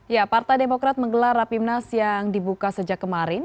ya partai demokrat menggelar rapimnas yang dibuka sejak kemarin